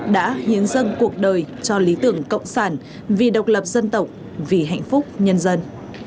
đã hiến dâng cuộc đời cho lý tưởng cộng sản vì độc lập dân tộc vì hạnh phúc nhân dân